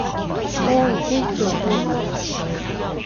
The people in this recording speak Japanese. おーーい、天気はどうかな。